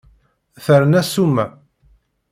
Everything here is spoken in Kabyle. Terna ssuma.